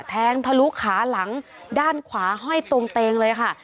แทงทะลุขาหลังด้านขวาห้อยตรงเตงเลยค่ะ